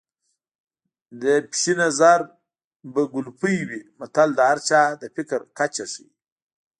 د پيشو نظر به کولپۍ وي متل د هر چا د فکر کچه ښيي